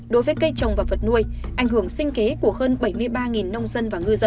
đối với cây trồng và vật nuôi